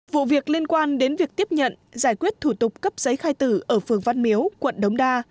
vụ việc liên quan đến việc tiếp nhận giải quyết thủ tục cấp giấy khai tử ở phường văn miếu quận đống đa